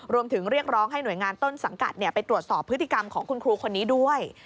เรียกร้องให้หน่วยงานต้นสังกัดไปตรวจสอบพฤติกรรมของคุณครูคนนี้ด้วย